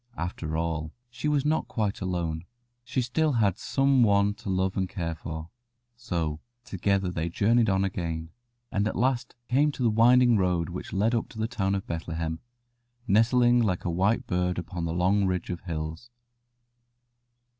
After all, she was not quite alone; she still had some one to love and care for. So together they journeyed on again, and at last came to the winding road which led up to the town of Bethlehem, nestling like a white bird upon the long ridge of hills.